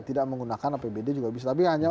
tidak menggunakan apbd juga bisa tapi hanya